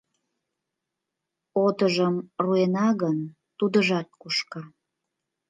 Отыжым руэна гын, тудыжат кошка.